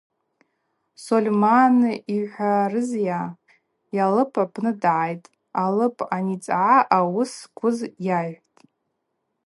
Сольман йхӏварызйа, йалып апны дгӏайтӏ, алып аницӏгӏа, ауыс зквыз айхӏвтӏ.